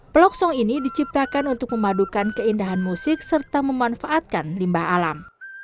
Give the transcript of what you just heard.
pelok song ini diciptakan untuk memadukan keindahan musik serta memanfaatkan limbah alam